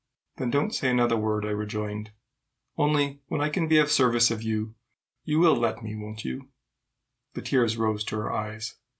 "Then don't say another word," I rejoined. "Only when I can be of service to you, you will let me, won't you?" The tears rose to her eyes.